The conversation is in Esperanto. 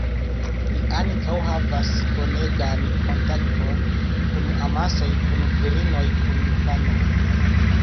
Li ankaŭ havas bonegan kontakton kun amasoj, kun virinoj, kun infanoj.